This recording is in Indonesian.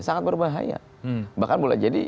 sangat berbahaya bahkan boleh jadi